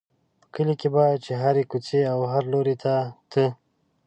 په کلي کې به چې هرې کوڅې او هر لوري ته ته.